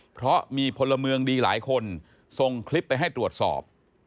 เพราะมีพลเมืองดีหลายคนส่งคลิปไปให้ตรวจสอบ